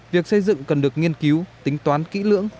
việc xây dựng cần được nghiên cứu tính toán kỹ lưỡng